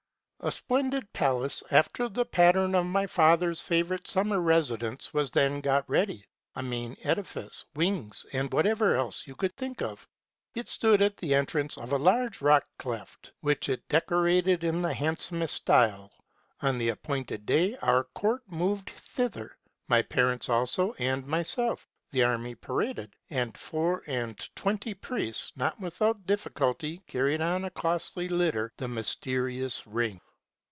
A splendid palace, after the pattern of my father's favorite summer residence, was then got ready, ŌĆö a main edifice, wings, and whatever else you could think of. It stood at the entrance of a large rock cleft, which it decorated in the handsomest style. On the appointed day our court moved thither, my parents, also, and myself. The army paraded ; and four and twenty priests, not without difficulty, carried on a costly litter the mysterious ring.